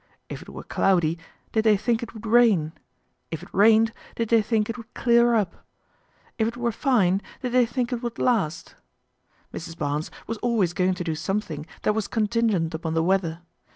If it were cloudy, did they think it would rain ? If it rained, did they think it would clear up ? If it were fine, did they think it would last ? Mrs. Barnes was always going to do something that was contingent upon the weather.